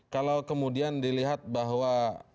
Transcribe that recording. kalau kemudian dilihat bahwa